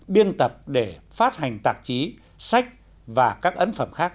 biên tập để phát hành tạp chí sách và các ấn phẩm khác